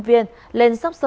vì vậy đôi khi